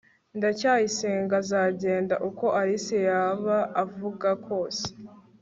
ndacyayisenga azagenda, uko alice yaba avuga kose